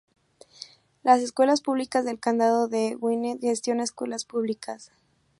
Las Escuelas Públicas del Condado de Gwinnett gestiona escuelas públicas.